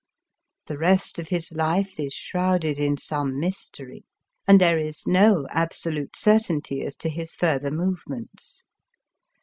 The rest of his life is shrouded in some mystery, and there is no absolute certainty as to his [further movements.